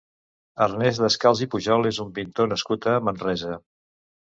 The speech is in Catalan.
Ernest Descals i Pujol és un pintor nascut a Manresa.